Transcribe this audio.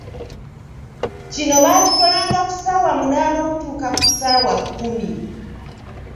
Kino baakikolanga ku ssaawa munaana okutuuka ku ssaawa kkumi.